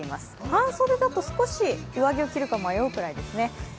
半袖だと少し、上着を着るか迷うくらいですね。